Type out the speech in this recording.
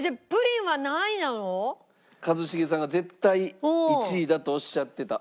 一茂さんが絶対１位だとおっしゃってた。